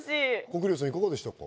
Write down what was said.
國領さんいかがでしたか？